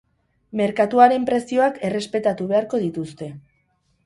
Merkatuaren prezioak errespetatu beharko dituzte.